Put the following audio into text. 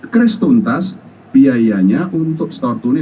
kris tuntas biayanya untuk store tuning